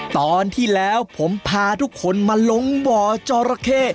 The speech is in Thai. ตอนที่แล้วผมพาทุกคนมาลงบ่อจอราเข้